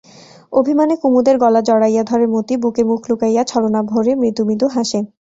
অভিমানে কুমুদের গলা জড়াইয়া ধরে মতি, বুকে মুখ লুকাইয়া ছলনাভরে মৃদু মৃদু হাসে।